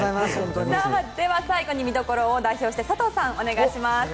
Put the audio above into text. では最後に見どころを代表して佐藤さんお願いします。